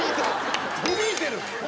響いてる！